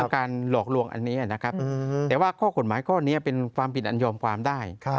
การหลอกลวงอันนี้นะครับแต่ว่าข้อกฎหมายข้อนี้เป็นความผิดอันยอมความได้